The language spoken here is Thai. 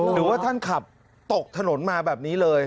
หรือว่าท่านขับตกถนนมาแบบนี้เลย